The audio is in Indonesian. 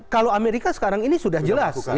kalau amerika sekarang ini sudah jelas